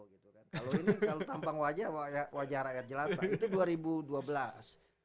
kalau ini kalau tampang wajah wajah rakyat jelata